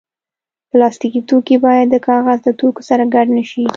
پلاستيکي توکي باید د کاغذ له توکو سره ګډ نه شي.